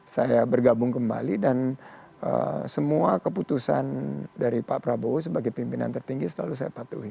saya bergabung kembali dan semua keputusan dari pak prabowo sebagai pimpinan tertinggi selalu saya patuhi